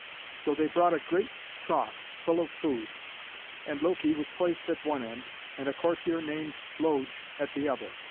So they brought a great trough full of food, and Loki was placed at one end, and a courtier named Loge at the other.